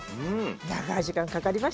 長い時間かかりましたもんね。